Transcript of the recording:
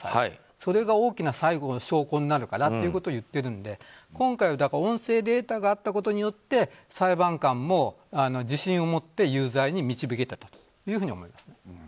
それが大きな最後の証拠になるからということを言っているので今回は音声データがあったことによって裁判官も、自信を持って有罪に導けたというふうに思います。